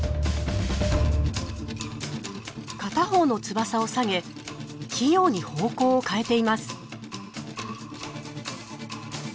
片方の翼を下げ器用に方向を変えています。